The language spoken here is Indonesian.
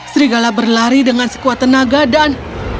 serigala berlari dengan sekuat tenaga dan